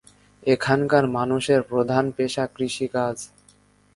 এখানকার মানুষের প্রধান পেশা কৃষিকাজ।